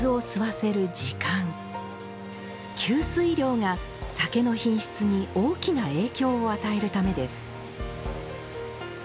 吸水量が酒の品質に大きな影響を与えるためです